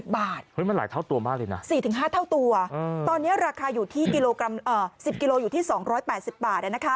บาทมันหลายเท่าตัวมากเลยนะ๔๕เท่าตัวตอนนี้ราคาอยู่ที่๑๐กิโลอยู่ที่๒๘๐บาท